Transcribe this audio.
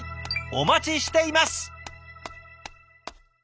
お待ちしています！